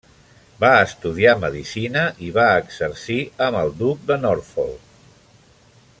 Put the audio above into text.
Va estudiar medicina i va exercir amb el Duc de Norfolk.